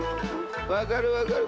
［分かる分かる。